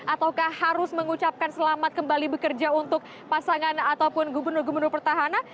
ataukah harus mengucapkan selamat kembali bekerja untuk pasangan ataupun gubernur gubernur pertahanan